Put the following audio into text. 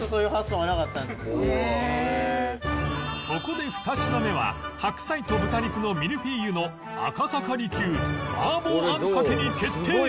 そこで２品目は白菜と豚肉のミルフィーユの赤坂璃宮麻婆あんかけに決定